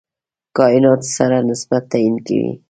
کایناتو سره نسبت تعیین کوي.